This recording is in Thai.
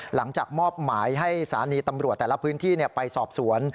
หลังจากมอบหมายให้สถานีตำรวจแต่ละพื้นที่ไปสอบสวน